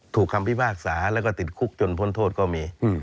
คำพิพากษาแล้วก็ติดคุกจนพ้นโทษก็มี